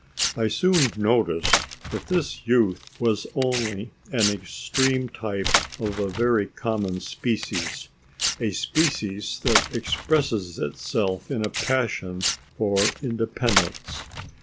I soon noticed that this youth was only an extreme type of a very common species a species that expresses itself in a passion for independence.